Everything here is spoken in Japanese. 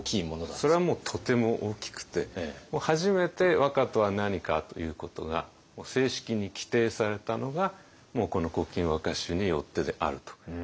それはもうとても大きくて初めて和歌とは何かということが正式に規定されたのがこの「古今和歌集」によってであると。